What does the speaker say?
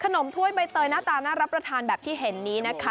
ถ้วยใบเตยหน้าตาน่ารับประทานแบบที่เห็นนี้นะคะ